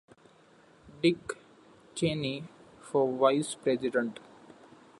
"Dick" Cheney for Vice President.